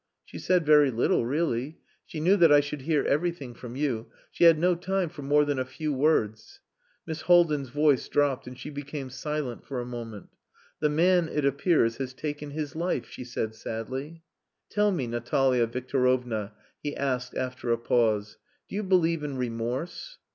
"She said very little, really. She knew that I should hear everything from you. She had no time for more than a few words." Miss Haldin's voice dropped and she became silent for a moment. "The man, it appears, has taken his life," she said sadly. "Tell me, Natalia Victorovna," he asked after a pause, "do you believe in remorse?"